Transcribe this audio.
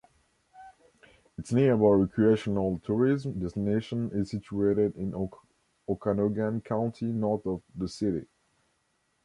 Its nearby recreational tourism destination is situated in Okanogan County north of the city.